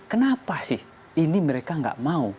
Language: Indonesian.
kenapa sih ini mereka nggak mau